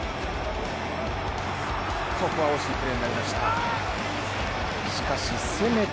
ここは惜しいプレーになりました